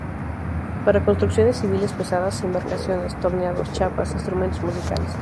Para construcciones civiles pesadas, embarcaciones, torneados, chapas, instrumentos musicales.